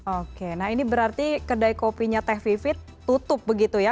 oke nah ini berarti kedai kopinya teh vivi tutup begitu ya